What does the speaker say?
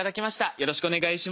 よろしくお願いします。